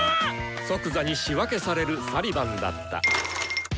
即座に仕分けされるサリバンだった。